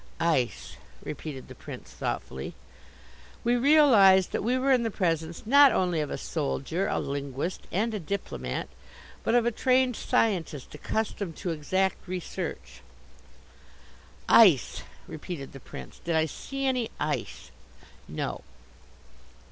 "Ice," repeated the Prince thoughtfully. We realized that we were in the presence not only of a soldier, a linguist and a diplomat, but of a trained scientist accustomed to exact research. "Ice!" repeated the Prince. "Did I see any ice? No."